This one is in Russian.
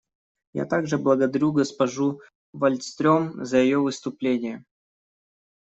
Я также благодарю госпожу Вальстрём за ее выступление.